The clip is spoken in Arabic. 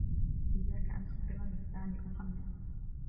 إياك أن تخبرني، دعني أخمن.